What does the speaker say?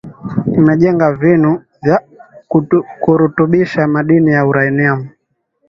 imejenga vinu vya kurutubisha madini ya uranium